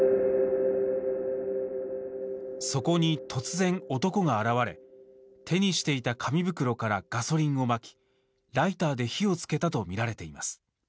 そこに突然男が現れ手にしていた紙袋からガソリンをまきライターで火をつけたと見られています。